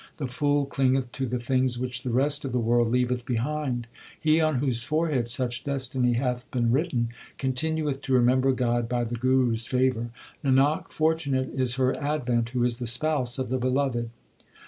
The fool clingeth to the things which the rest of the world leaveth behind. He on whose forehead such destiny hath been written, continueth to remember God by the Guru s favour. Nanak, fortunate is her advent who is the spouse of the Beloved.